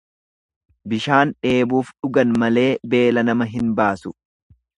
Bishaan dheebuuf dhugan malee beela nama hin baasu.